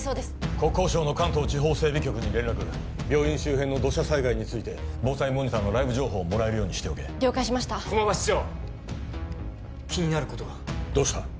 国交省の関東地方整備局に連絡病院周辺の土砂災害について防災モニターのライブ情報をもらえるようにしておけ了解しました駒場室長気になることがどうした？